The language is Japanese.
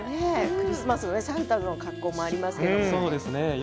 クリスマスのサンタの格好もありますね。